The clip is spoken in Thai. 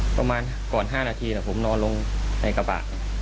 ประมาณก่อน๕นาทีผมนอนลงในกระบะ